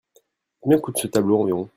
Combien coûte ce tableau environ ?